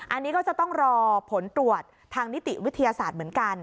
อันนี้ก็จะต้องรอผลตรวจทางนิติวิทยาศาสตร์เหมือนกัน